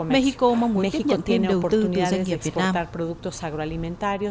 mexico mong muốn tiếp nhận thêm đầu tư từ doanh nghiệp việt nam